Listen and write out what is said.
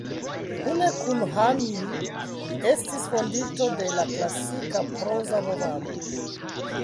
Kune kun Han Ju, li estis fondinto de la Klasika Proza Movado.